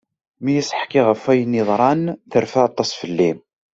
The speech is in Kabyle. Mi as-ḥkiɣ ɣef wayen i yeḍran terfa aṭas fell-i.